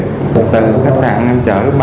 một từ khách sạn em chở ba người